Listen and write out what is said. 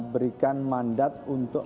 berikan mandat untuk